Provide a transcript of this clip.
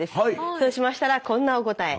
そうしましたらこんなお答え。